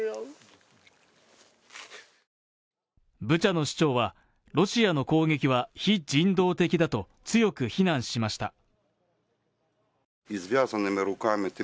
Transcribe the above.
ブチャの市長は、ロシアの攻撃は非人道的だと強く非難しました。